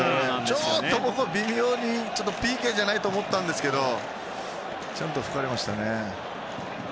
ちょっと、微妙にＰＫじゃないかと思ったんですがちゃんと吹かれましたね。